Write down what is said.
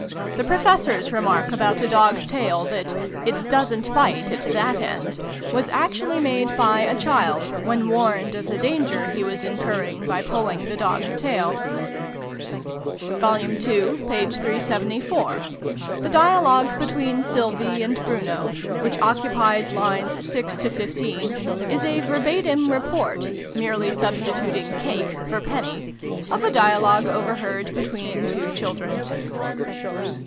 The Professor's remark, about a dog's tail, that " it doesn't bite at that end," was actually made by a child, when warned of the danger he was incurring by pulling the dog's tail. II. p. 374. The dialogue between Sylvie and Bruno, which occupies lines 6 to 15, is a verbatim report (merely substituting "cake" for "penny") of a dia logue overheard between two children.